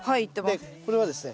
でこれはですね